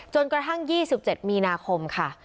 จนกระทั่ง๒๗มีนาคมค่ะ